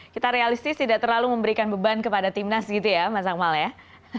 kita realistis tidak terlalu memberikan beban kepada timnas gitu ya mas akmal ya